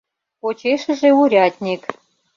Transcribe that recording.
Почешыже урядник.